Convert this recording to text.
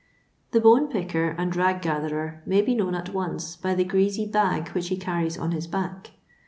The bone picker and rag gatherer may be known at once by the greasy bag which he carries on his back.